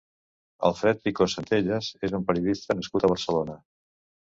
Alfred Picó Sentelles és un periodista nascut a Barcelona.